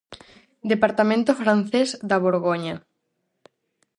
Departamento francés da Borgoña.